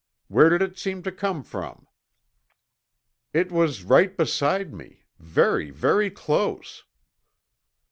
Where did it seem to come from?" "It was right beside me, very, very close."